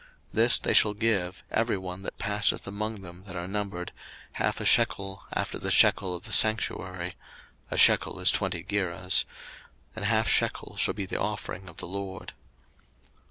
02:030:013 This they shall give, every one that passeth among them that are numbered, half a shekel after the shekel of the sanctuary: (a shekel is twenty gerahs:) an half shekel shall be the offering of the LORD.